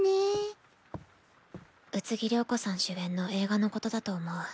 宇津木りょうこさん主演の映画のことだと思う。